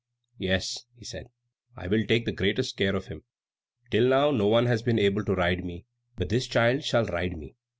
"Yes," he said, "I will take the greatest care of him. Till now no one has been able to ride me, but this child shall ride me."